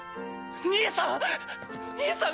兄さん！